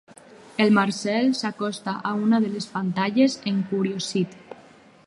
El Marcel s'acosta a una de les pantalles, encuriosit.